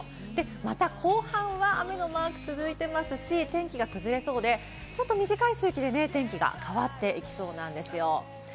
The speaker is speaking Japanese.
また後半は雨のマークが続いてますし、天気が崩れそうで、短い周期で天気が変わっていきそうなんですよ。